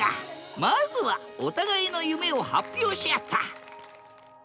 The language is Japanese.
まずはお互いの夢を発表し合った！